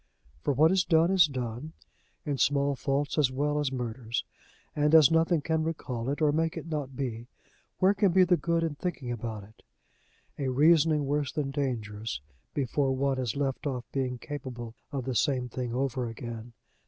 For what is done is done, in small faults as well as in murders; and, as nothing can recall it, or make it not be, where can be the good in thinking about it? a reasoning worse than dangerous, before one has left off being capable of the same thing over again.